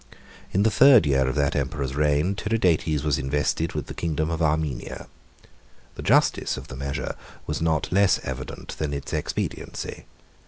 In the third year of that emperor's reign Tiridates was invested with the kingdom of Armenia. The justice of the measure was not less evident than its expediency.